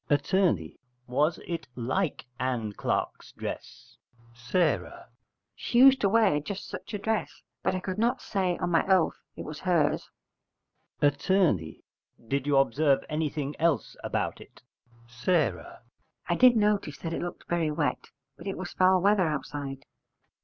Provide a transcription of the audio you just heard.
Att. Was it like Ann Clark's dress? S. She used to wear just such a dress: but I could not say on my oath it was hers. Att. Did you observe anything else about it? S. I did notice that it looked very wet: but it was foul weather outside.